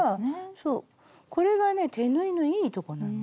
そうこれがね手縫いのいいとこなの。